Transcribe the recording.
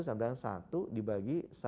seandainya satu dibagi satu